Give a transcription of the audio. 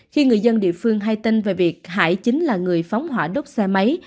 khi người dân địa phương hay tin về việc hải chính là người phóng hỏa đốt xe máy